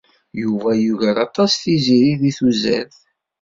Yuba yugar aṭas Tiziri deg tuzert.